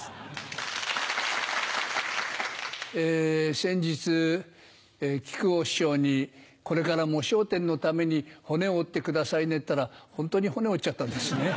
先日木久扇師匠にこれからも『笑点』のために骨折ってくださいねってたらホントに骨折っちゃったんですね。